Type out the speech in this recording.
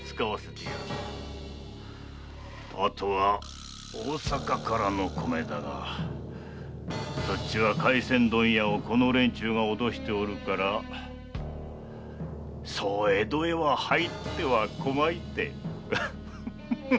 あとは大阪からの米だが廻船問屋をこの連中が脅しておるからそう江戸へは入っては来まいて。